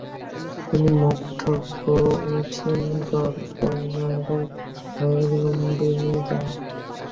তিনি মগধ, কুশীনগর, বেনারস হয়ে লুম্বিনী যান।